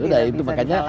sudah itu makanya